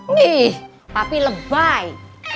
nih tapi lebay